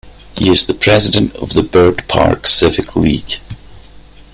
He is the president of the Byrd Park Civic League.